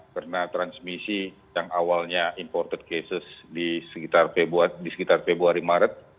karena saat ini saat yang awalnya imported cases di sekitar februari maret